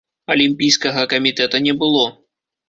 Алімпійскага камітэта не было.